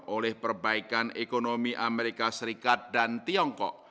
oleh perbaikan ekonomi amerika serikat dan tiongkok